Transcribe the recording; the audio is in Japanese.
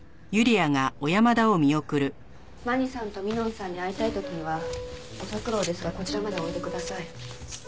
まにさんとみのんさんに会いたい時はご足労ですがこちらまでおいでください。